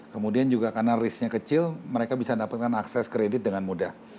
kemudian juga karena risk nya kecil mereka bisa dapatkan akses kredit dengan mudah